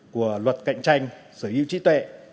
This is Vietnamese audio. của luật cạnh tranh sở hữu trí tuệ